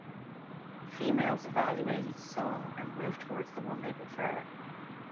Females evaluate each song and move towards the one they prefer.